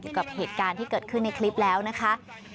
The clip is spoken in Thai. กับเหตุการณ์ที่เกิดขึ้นในคลิปแล้วนะคะ